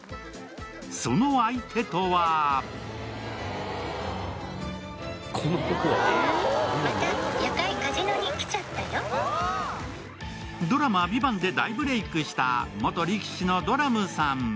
その相手とはドラマ「ＶＩＶＡＮＴ」で大ブレークした元力士のドラムさん。